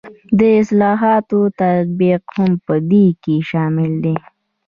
د اصلاحاتو تطبیق هم په دې کې شامل دی.